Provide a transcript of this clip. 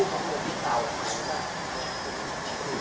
สวัสดีครับ